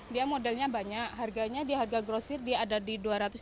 dia modelnya banyak harganya di harga grosir dia ada di dua ratus